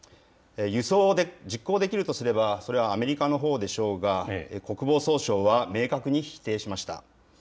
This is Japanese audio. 輸送で実行できるとすれば、それはアメリカのほうでしょうが、国防総省は明確に否定しました。